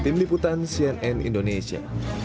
tim liputan cnn indonesia